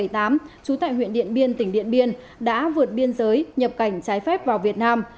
trú tại huyện điện biên tỉnh điện biên đã vượt biên giới nhập cảnh trái phép vào việt nam